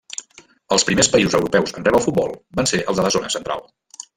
Els primers països europeus en rebre al futbol van ser els de la zona central.